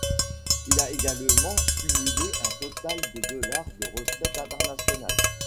Il a également cumulé un total de dollars de recettes internationales.